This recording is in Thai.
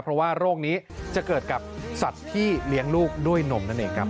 เพราะว่าโรคนี้จะเกิดกับสัตว์ที่เลี้ยงลูกด้วยนม